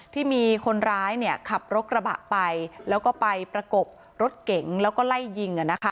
ที่มีคนร้ายขับรถกระบะไปแล้วก็ไปประกบรถเก๋งแล้วก็ไล่ยิง